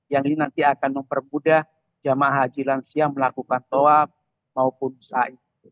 yang ini nanti akan mempermudah jemaah haji lansia melakukan toa maupun saing